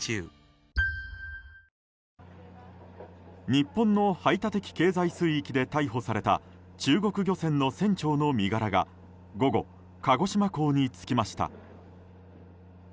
日本の排他的経済水域で逮捕された中国漁船の船長の身柄が午後、鹿児島港に着きました。